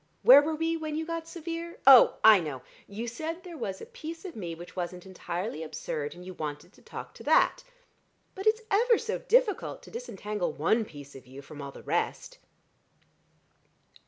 Where were we when you got severe? Oh, I know. You said there was a piece of me which wasn't entirely absurd, and you wanted to talk to that. But it's ever so difficult to disentangle one piece of you from all the rest."